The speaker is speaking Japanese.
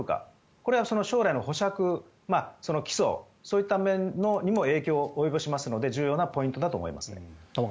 これは将来の保釈起訴、そういった面にも影響を及ぼしますので重要なポイントだと思いますね。